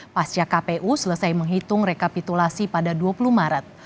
pasca kpu selesai menghitung rekapitulasi pada dua puluh maret